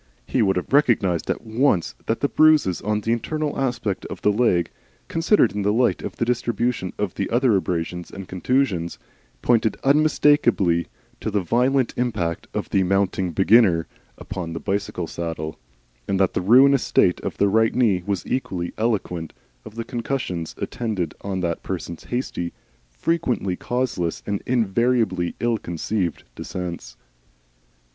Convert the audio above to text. He would have recognised at once that the bruises on the internal aspect of the left leg, considered in the light of the distribution of the other abrasions and contusions, pointed unmistakably to the violent impact of the Mounting Beginner upon the bicycling saddle, and that the ruinous state of the right knee was equally eloquent of the concussions attendant on that person's hasty, frequently causeless, and invariably ill conceived descents.